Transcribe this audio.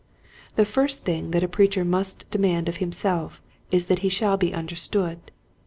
The first thing that a preacher must demand of himself is that he shall be understood.